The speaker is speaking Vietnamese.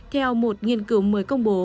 theo một nghiên cứu mới công bố